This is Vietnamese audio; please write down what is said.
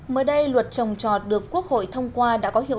mới đây luật trồng trọt được quốc hội thông qua đã có hiệu quả